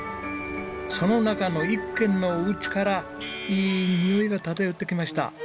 その中の一軒のお家からいいにおいが漂ってきました。